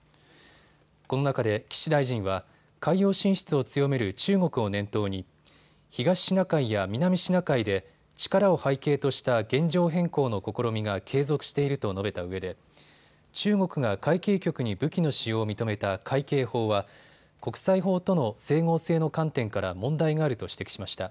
この中で岸大臣は海洋進出を強める中国を念頭に東シナ海や南シナ海で力を背景とした現状変更の試みが継続していると述べたうえで中国が海警局に武器の使用を認めた海警法は国際法との整合性の観点から問題があると指摘しました。